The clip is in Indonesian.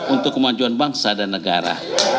untuk kemajuan bangsa dan negara